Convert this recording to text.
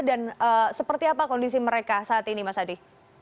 dan seperti apa kondisi mereka saat ini mas adi